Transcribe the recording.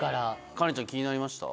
カレンちゃん気になりました？